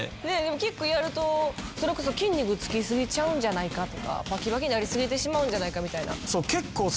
キックやるとそれこそ筋肉つき過ぎちゃうんじゃないかとかバキバキになり過ぎてしまうんじゃないかみたいな。